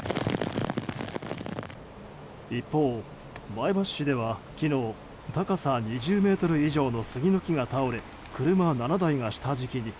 一方、前橋市では昨日、高さ２０ｍ以上の杉の木が倒れ車７台が下敷きに。